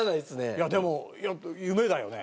いやでも夢だよね。